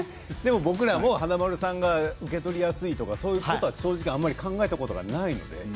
僕らも、華丸さんが受け取りやすいとかそういうことは正直あまり考えたことはないので。